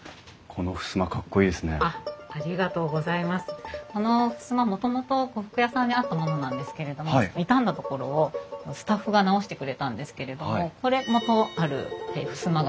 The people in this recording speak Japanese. このふすまもともと呉服屋さんにあったものなんですけれども傷んだ所をスタッフが直してくれたんですけれどもこれ元あるふすま